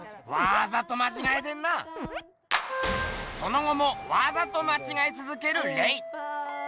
その後もわざとまちがえ続けるレイ。